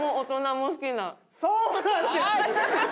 そうなんです！